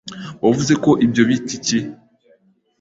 Wavuze ko ibyo bita iki?